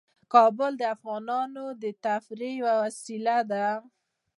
کابل د افغانانو د تفریح یوه وسیله ده.